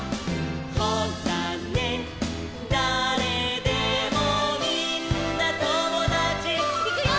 「ほらね誰でもみんなともだち」いくよ！